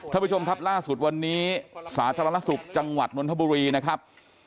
ท่านผู้ชมครับล่าสุดวันนี้สาธารณสุขจังหวัดนนทบุรีนะครับ